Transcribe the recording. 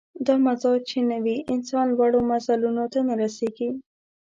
دا مزاج چې نه وي، انسان لوړو منزلونو ته نه رسېږي.